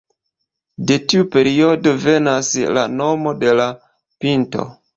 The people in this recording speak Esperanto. De tiu periodo venas la nomo de la pinto.